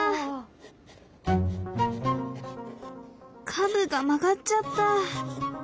カムが曲がっちゃった。